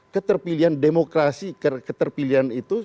keterpilihan demokrasi keterpilihan itu